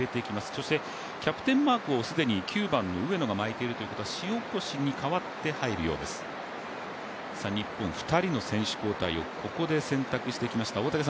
そしてキャプテンマークを既に９番の上野が巻いているということは塩越に代わって入るようです、日本、２人の選手交代をここで選択しました。